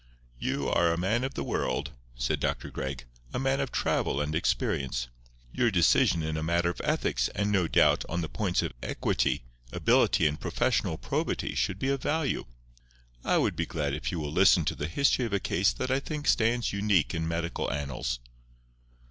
"You are a man of the world," said Dr. Gregg; "a man of travel and experience. Your decision in a matter of ethics and, no doubt, on the points of equity, ability and professional probity should be of value. I would be glad if you will listen to the history of a case that I think stands unique in medical annals.